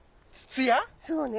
そうね。